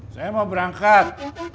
saya mau berangkat